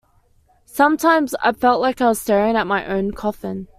Sometimes I felt like I was staring at my own coffin.